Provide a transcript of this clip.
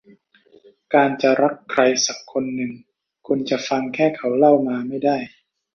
การจะรักใครสักคนหนึ่งคุณจะฟังแค่เขาเล่ามาไม่ได้